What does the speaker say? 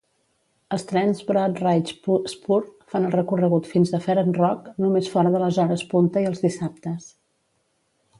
Els trens Broad-Ridge Spur fan el recorregut fins a Fern Rock només fora de les hores punta i els dissabtes.